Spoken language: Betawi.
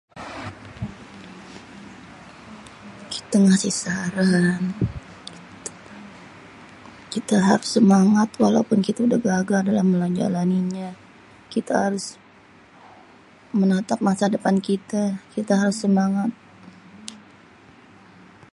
kita harus semngat walaupun kitè udèh gagal menjalaninnyè kita harus tetap menanp masa depan kitè kita harys semngat